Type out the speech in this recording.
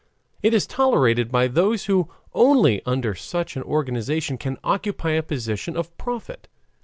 It is tolerated by those who only under such an organization can occupy a position of profit.